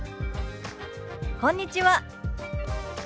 「こんにちは」。